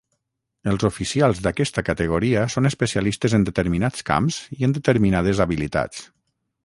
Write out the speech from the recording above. Els oficials d'aquesta categoria són especialistes en determinats camps i en determinades habilitats.